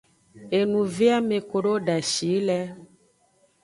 Enuveame kodo dashi yi le.